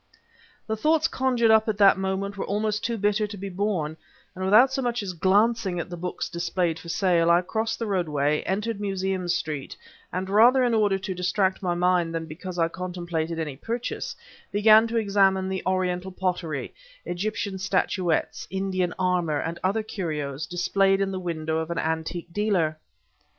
The thoughts conjured up at that moment were almost too bitter to be borne, and without so much as glancing at the books displayed for sale, I crossed the roadway, entered Museum Street, and, rather in order to distract my mind than because I contemplated any purchase, began to examine the Oriental Pottery, Egyptian statuettes, Indian armor, and other curios, displayed in the window of an antique dealer.